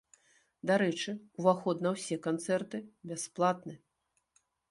Дарэчы, уваход на ўсе канцэрты бясплатны.